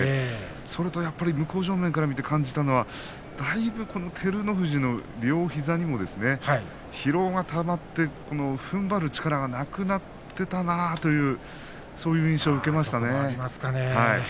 それとやはり向正面から見て感じるのは照ノ富士の両膝にもだいぶ疲労がたまってふんばる力がなくなっていたなという印象を受けました。